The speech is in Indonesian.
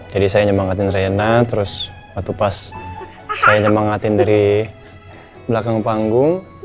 jadi saya nyemangatin reyna terus waktu pas saya nyemangatin dari belakang panggung